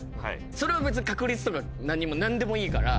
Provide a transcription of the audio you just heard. それは別に確率とか何にも何でもいいから。